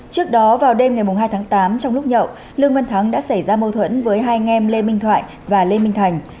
trước đó vào đêm ngày hai tháng tám trong lúc nhậu lương vân thắng đã xảy ra mâu thuẫn với hai anh em lê minh thắng